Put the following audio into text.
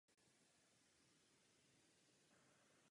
Důvěryhodnost Evropy a budoucnost těchto zemí jsou v rovnováze.